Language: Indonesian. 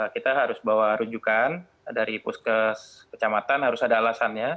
kita harus bawa rujukan dari puskes kecamatan harus ada alasannya